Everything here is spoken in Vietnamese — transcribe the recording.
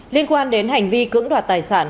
liên quan đến hành vi cưỡng đoạt tài sản